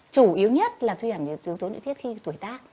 chủ yếu nhất là suy giảm yếu tố nội tiết khi tuổi tác